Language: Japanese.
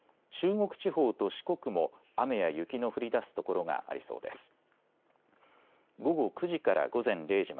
中国地方と四国も雨や雪の降りだす所がありそうです。